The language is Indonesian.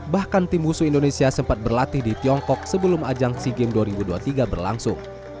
bahkan tim husu indonesia sempat berlatih di tiongkok sebelum ajang sea games dua ribu dua puluh tiga berlangsung